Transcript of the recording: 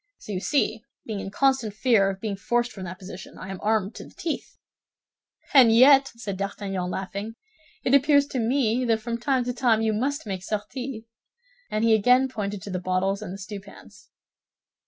So you see, being in constant fear of being forced from that position, I am armed to the teeth." "And yet," said D'Artagnan, laughing, "it appears to me that from time to time you must make sorties." And he again pointed to the bottles and the stewpans.